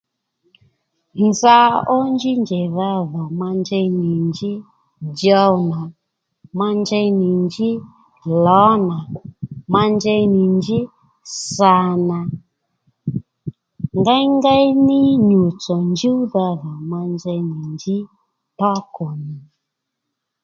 Nza ó njí njèydha dhò ma njey nì njí djow nà, ma njey nì njí lǒ nà, ma njey nì njí sà nà, ngéyngéy ní nyù tsò njúwdha dhò ma njey nì njí tókò nà